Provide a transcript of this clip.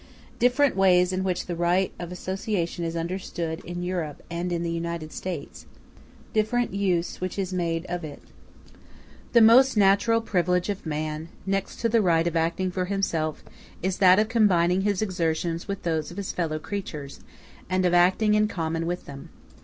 Different ways in which the right of association is understood in Europe and in the United States—Different use which is made of it. The most natural privilege of man, next to the right of acting for himself, is that of combining his exertions with those of his fellow creatures, and of acting in common with them.